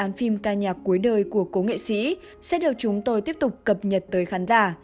dự án phim ca nhạc cuối đời của cô nghệ sĩ sẽ được chúng tôi tiếp tục cập nhật tới khán giả